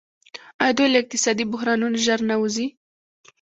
آیا دوی له اقتصادي بحرانونو ژر نه وځي؟